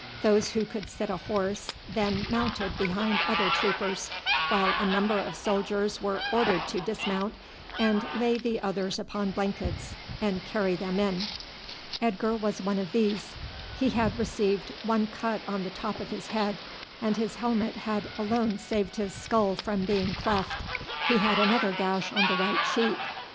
Those who could sit a horse then mounted behind other troopers, while a number of soldiers were ordered to dismount and to lay the others upon blankets and carry them in. Edgar was one of these. He had received one cut on the top of his head, and his helmet had alone saved his skull from being cleft. He had another gash on the right cheek.